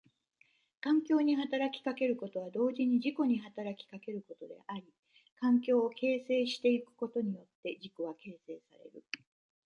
環境に働きかけることは同時に自己に働きかけることであり、環境を形成してゆくことによって自己は形成される。